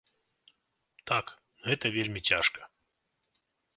Так, гэта вельмі цяжка.